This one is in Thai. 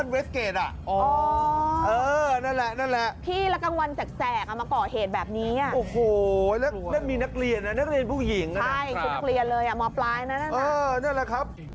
นั่นแหละครับ